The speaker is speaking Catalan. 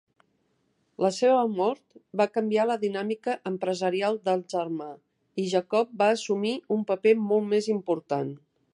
La seva mort va canviar la dinàmica empresarial del germà i Jacob va assumir un paper molt més important.